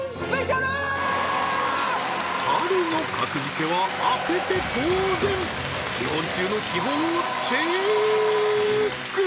春の格付けは当てて当然基本中の基本をチェック！